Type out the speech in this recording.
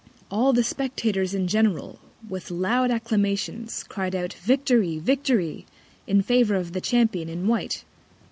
All the Spectators in general, with loud Acclamations, cried out, Victory! Victory! in favour of the Champion in white.